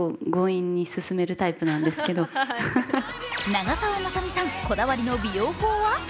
長澤まさみさん、こだわりの美容法は？